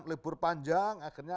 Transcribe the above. libur panjang akhirnya